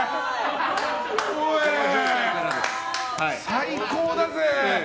最高だぜ！